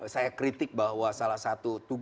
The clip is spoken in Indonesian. saya kritik bahwa salah satu